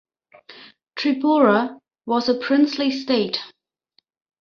Tripura was a princely State.